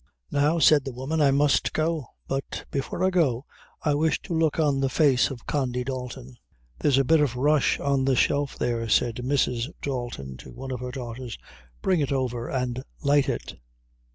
"Now," said the woman, "I must go; but before I go, I wish to look on the face of Condy Dalton." "There's a bit of rush on the shelf there," said Mrs. Dalton to one of her daughters; "bring it over and light it."